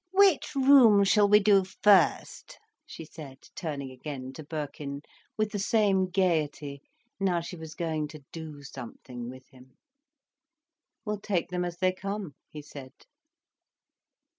"Which room shall we do first?" she said, turning again to Birkin, with the same gaiety, now she was going to do something with him. "We'll take them as they come," he said.